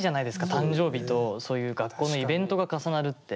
誕生日とそういう学校のイベントが重なるって。